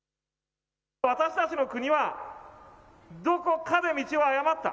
私たちの国はどこかで道を誤った。